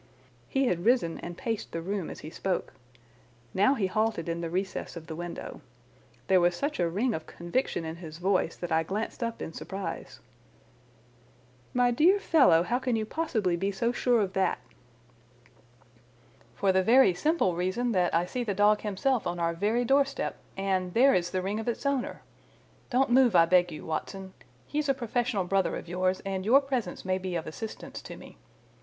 He had risen and paced the room as he spoke. Now he halted in the recess of the window. There was such a ring of conviction in his voice that I glanced up in surprise. "My dear fellow, how can you possibly be so sure of that?" "For the very simple reason that I see the dog himself on our very door step, and there is the ring of its owner. Don't move, I beg you, Watson. He is a professional brother of yours, and your presence may be of assistance to me.